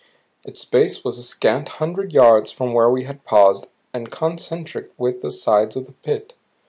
Its base was a scant hundred yards from where we had paused and concentric with the sides of the pit.